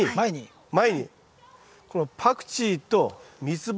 前にこのパクチーとミツバ。